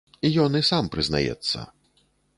Ён і сам прызнаецца.